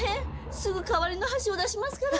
すぐ代わりの箸を出しますから。